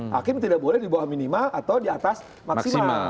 hakim tidak boleh di bawah minimal atau di atas maksimal